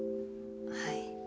はい。